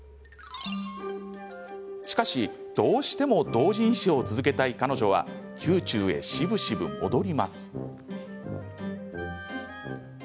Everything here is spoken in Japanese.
しかし、どうしても同人誌を続けたい彼女は宮中へ、しぶしぶ戻ります。